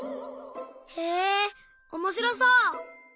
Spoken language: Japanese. へえおもしろそう！